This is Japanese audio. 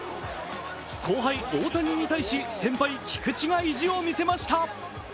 後輩・大谷に対し先輩・菊池が意地を見せました。